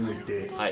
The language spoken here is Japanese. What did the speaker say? はい。